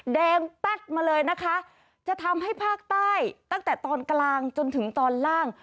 แดงแป๊ดมาเลยนะคะจะทำให้ภาคใต้ตั้งแต่ตอนกลางจนถึงตอนล่าง